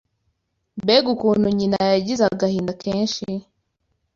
Mbega ukuntu nyina yagize agahinda kenshi